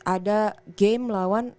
ada game melawan